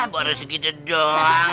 baru segitu doang